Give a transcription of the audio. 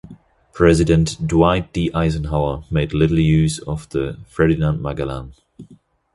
President Dwight D. Eisenhower made little use of the "Ferdinand Magellan".